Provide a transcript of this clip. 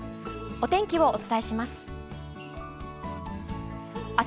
お天気をお伝えします。